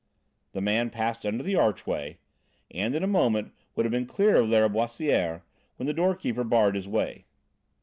The man passed under the archway, and in a moment would have been clear of Lâriboisière, when the doorkeeper barred his way.